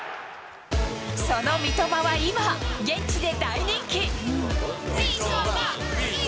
その三笘は今、現地で大人気。